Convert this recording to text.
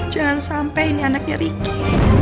jangan sampai ini anaknya ricky